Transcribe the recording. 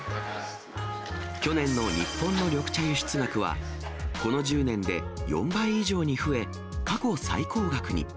去年の日本の緑茶輸出額はこの１０年で４倍以上に増え、過去最高額に。